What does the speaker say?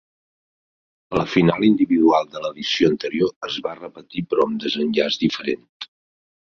La final individual de l'edició anterior es va repetir però amb desenllaç diferent.